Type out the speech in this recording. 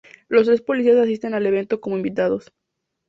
Los tres policías asisten al evento como invitados.